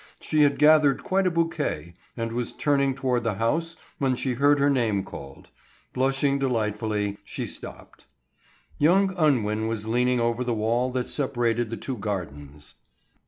She had gathered quite a bouquet, and was turning toward the house when she heard her name called. Blushing delightfully, she stopped. Young Unwin was leaning over the wall that separated the two gardens.